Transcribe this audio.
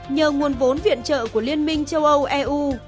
nhờ nguồn vốn viện trợ của liên minh châu âu eu